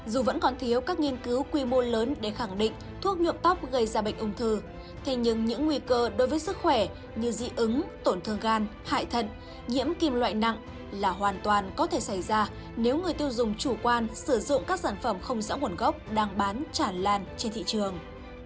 dù vẫn còn thiếu các nghiên cứu quy mô lớn để khẳng định thuốc nhuộm tóc gây ra bệnh ung thư thế nhưng những nguy cơ đối với sức khỏe như dị ứng tổn thương gan hại thận nhiễm kim loại nặng là hoàn toàn có thể xảy ra nếu người tiêu dùng chủ quan sử dụng các sản phẩm không rõ nguồn gốc đang bán chản lan trên thị trường